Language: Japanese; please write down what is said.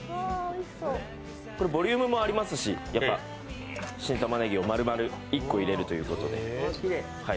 これボリュームもありますし、新玉ねぎを丸々１個入れるということで。